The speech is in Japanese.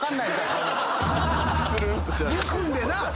むくんでな！